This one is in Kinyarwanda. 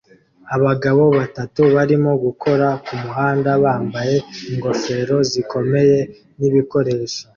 Abagabo batatu barimo gukora kumuhanda bambaye ingofero zikomeye nibikoresho